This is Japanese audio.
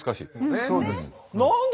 そうです。